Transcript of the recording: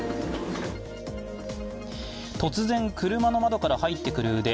突然、車の窓から入ってくる腕。